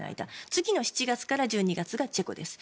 次の７月から１２月がチェコです。